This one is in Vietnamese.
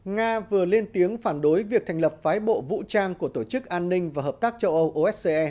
nga vừa lên tiếng phản đối việc thành lập phái bộ vũ trang của tổ chức an ninh và hợp tác châu âu ose